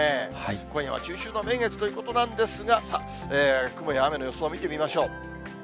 今夜は中秋の名月ということなんですが、雲や雨の予想を見てみましょう。